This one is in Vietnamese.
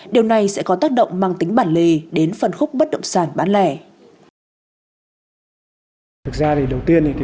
điều này sẽ có tác động mang tính bản lý đến phần khúc bất động sản bán lẻ